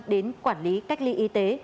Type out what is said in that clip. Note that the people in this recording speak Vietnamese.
đến quản lý cách ly y tế